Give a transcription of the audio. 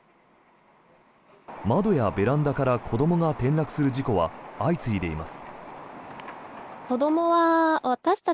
窓やベランダから子どもが転落する事故は相次いでいます。